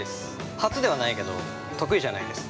初ではないけど得意じゃないです。